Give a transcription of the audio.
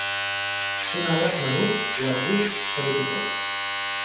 Són arbres menuts o arbusts caducifolis.